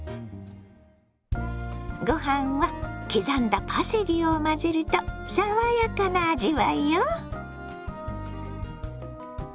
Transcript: ご飯は刻んだパセリを混ぜると爽やかな味わいよ。